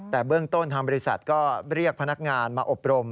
แต่เบื้องต้นทางบริษัทก็เรียกพนักงานมาอบรม